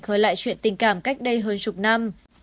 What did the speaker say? khởi lại chuyện tình cảm cách đây hơn chục năm